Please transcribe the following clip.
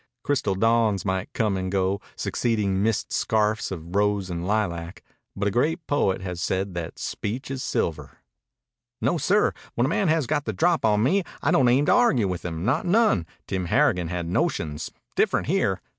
Crystal dawns might come and go, succeeding mist scarfs of rose and lilac, but a great poet has said that speech is silver. "No, sir. When a man has got the drop on me I don't aim to argue with him. Not none. Tim Harrigan had notions. Different here.